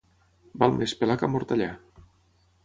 Val més pelar que amortallar.